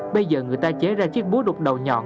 bây giờ người ta chế ra chiếc búa đục đầu nhọn